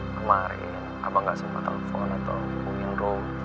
kemarin abang gak sempet telepon atau call in rum